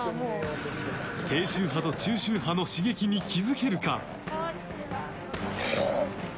低周波と中周波の刺激に気づけるか？